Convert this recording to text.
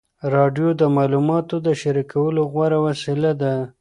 راډیو د معلوماتو د شریکولو غوره وسیله ده.